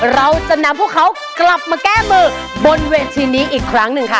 เราจะนำพวกเขากลับมาแก้มือบนเวทีนี้อีกครั้งหนึ่งค่ะ